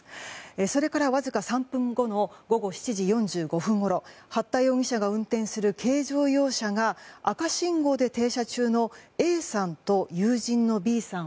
それからわずか３分後の午後７時４５分ごろ八田容疑者が運転する軽乗用車が赤信号で停車中のＡさんと友人のＢさん